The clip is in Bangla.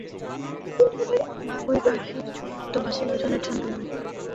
বাবুই পাখির ঝুলন্ত বাসায় দুজনের ছন্দময় আনাগোনা বাসাটাকে আরও মজবুত করে তুলছে।